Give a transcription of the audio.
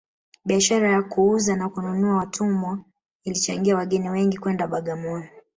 biashara ya kuuza na kununua watumwa ilichangia wageni wengi kwenda bagamoyo